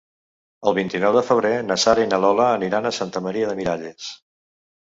El vint-i-nou de febrer na Sara i na Lola aniran a Santa Maria de Miralles.